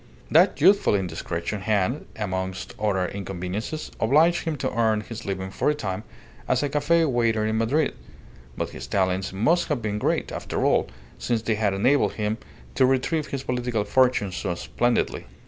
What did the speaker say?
That youthful indiscretion had, amongst other inconveniences, obliged him to earn his living for a time as a cafe waiter in Madrid; but his talents must have been great, after all, since they had enabled him to retrieve his political fortunes so splendidly.